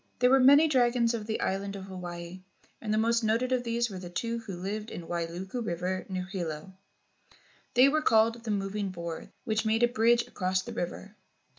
There were many dragons of the island of Hawaii, and the most noted of these were the two who lived in the Wailuku River near Hilo. They w'ere called "the moving boards" which made a bridge across the river.